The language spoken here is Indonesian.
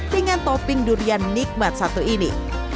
dengan topping durian nikmat satu ini